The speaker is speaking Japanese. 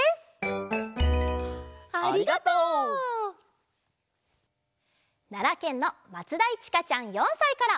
ありがとう！ならけんのまつだいちかちゃん４さいから。